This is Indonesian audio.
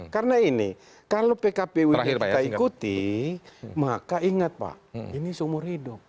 karena ini kalau pkpwd kita ikuti maka ingat pak ini sumur hidup